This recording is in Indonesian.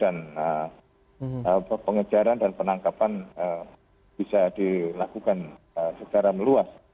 dan pengejaran dan penangkapan bisa dilakukan secara meluas